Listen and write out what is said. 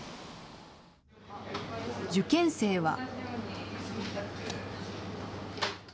受験生は。